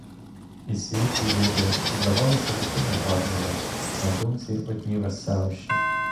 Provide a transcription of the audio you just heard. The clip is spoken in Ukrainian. І світ, і люди здавалися такими гарними, на думці одні веселощі.